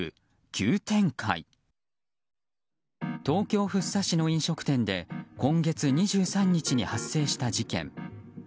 東京・福生市の飲食店で今月２３日に発生した事件。